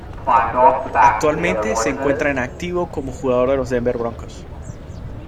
Actualmente se encuentra en activo como jugador de los Denver Broncos.